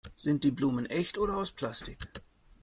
Sind die Blumen echt oder aus Plastik?